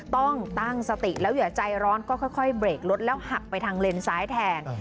ต้องตั้งสติแล้วอย่าใจร้อนก็ค่อยเบรกรถแล้วหักไปทางเลนซ้ายแทน